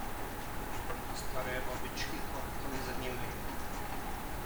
Staré babičky klapkaly za nimi.